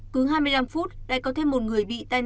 cứ hai mươi năm phút đã có thêm một người bị tai nạn